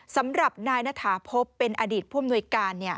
สำหรับนายนาถาพบเป็นอดีตพ่วงหน่วยการ